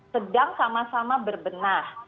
sedang sama sama berbenah